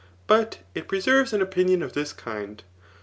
But it preserves an opinion of this kind.